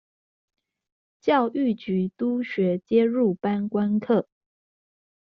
教育局督學皆入班觀課